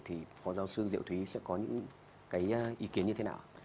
thì phó giáo sư diệu thúy sẽ có những cái ý kiến như thế nào ạ